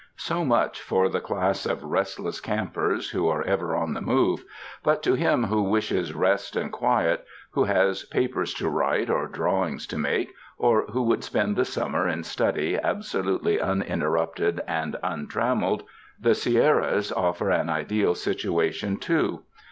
So much for the class of restless campers, who are ever on the move; but to him who wishes rest and quiet, who has papers to write or drawings to make, or who would spend the summer in study ab solutely uninterrupted and untrammeled, the Sier ras oifer an ideal situation, too.